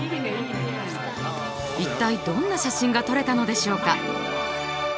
一体どんな写真が撮れたのでしょうか？